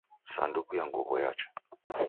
Sanduku ya nguw'o yacha